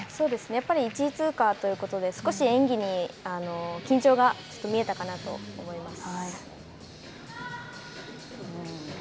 やっぱり１位通過ということで少し演技に緊張が見えたかなと思います。